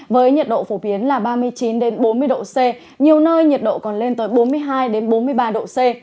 với nhiệt độ phổ biến là ba mươi chín bốn mươi độ c nhiều nơi nhiệt độ còn lên tới bốn mươi hai bốn mươi ba độ c